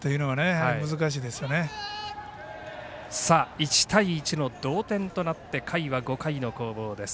１対１の同点となって回は５回の攻防です。